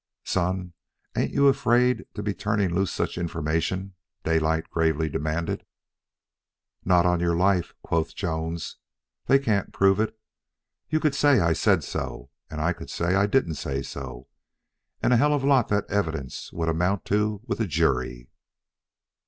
"Son, ain't you afraid to be turning loose such information?" Daylight gravely demanded. "Not on your life," quoth Jones. "They can't prove it. You could say I said so, and I could say I didn't say so, and a hell of a lot that evidence would amount to with a jury."